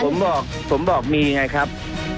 ผมบอกผมบอกมีไงครับ